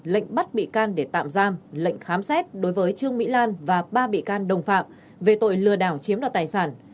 lệnh bắt bị can để tạm giam lệnh khám xét đối với trương mỹ lan và ba bị can đồng phạm về tội lừa đảo chiếm đoạt tài sản